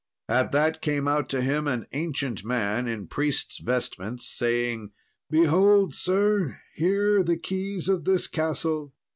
At that came out to him an ancient man, in priest's vestments, saying, "Behold, sir, here, the keys of this castle."